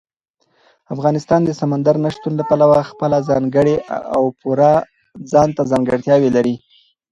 افغانستان د سمندر نه شتون له پلوه خپله ځانګړې او پوره ځانته ځانګړتیاوې لري.